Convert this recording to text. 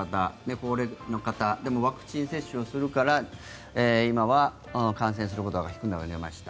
高齢の方でもワクチン接種するから今は感染する方が低くなりました。